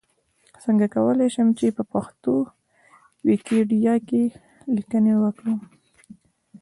څنګه کولای شم چې پښتو ويکيپېډيا کې ليکنې وکړم؟